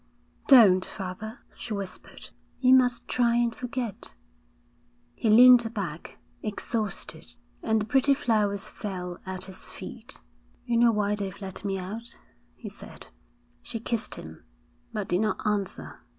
'Don't, father,' she whispered. 'You must try and forget.' He leaned back, exhausted, and the pretty flowers fell at his feet. 'You know why they've let me out?' he said. She kissed him, but did not answer.